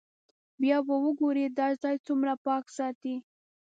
بیا به وګورئ دا ځای څومره پاک ساتي.